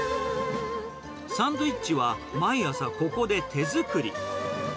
サンドイッチは毎朝、ここで手作り。